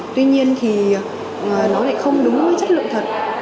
tuy nhiên thì nó lại không đúng với chất lượng thật